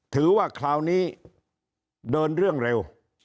ถือว่าคราวนี้เดินเรื่องเร็ว